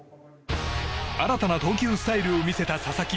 新たな投球スタイルを見せた佐々木。